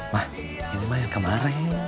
wah ini mah yang kemarin